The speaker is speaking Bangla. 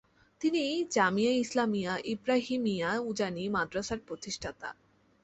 তিনি জামিয়া ইসলামিয়া ইব্রাহিমিয়া উজানি মাদ্রাসার প্রতিষ্ঠাতা।